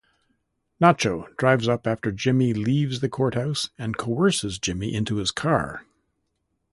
Nacho drives up after Jimmy leaves the courthouse and coerces Jimmy into his car.